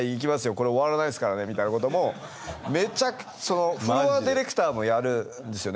これ終わらないですからねみたいなこともフロア・ディレクターもやるんですよね